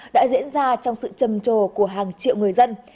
đã diễn ra trong sự trầm trồ của hàng triệu người dân